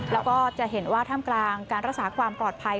แล้วก็จะเห็นว่าท่ามกลางการรักษาความปลอดภัย